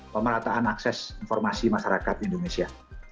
pemerataan akses informasi masyarakat indonesia